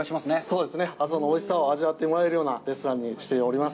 そうですね、阿蘇のおいしさを味わってもらえるようなレストランにしております。